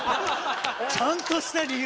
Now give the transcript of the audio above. ちゃんとした理由！